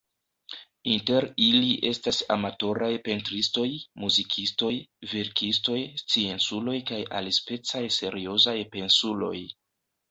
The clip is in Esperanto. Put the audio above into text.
Inter ili estas amatoraj pentristoj, muzikistoj, verkistoj, scienculoj kaj alispecaj seriozaj pensuloj.